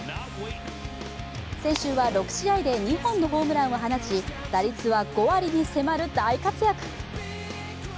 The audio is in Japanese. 先週は６試合で２本のホームランを放ち打率は５割に迫る大活躍。